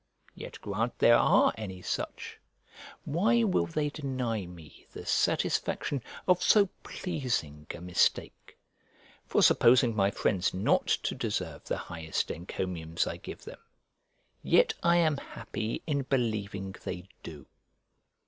Yet grant there are any such, why will they deny me the satisfaction of so pleasing a mistake? For supposing my friends not to deserve the highest encomiums I give them, yet I am happy in believing they do.